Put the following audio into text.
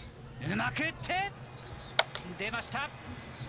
うまく打って出ました。